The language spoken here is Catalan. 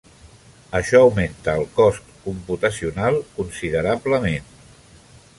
Això augmenta el cost computacional considerablement.